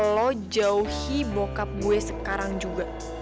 lo jauhi bokap gue sekarang juga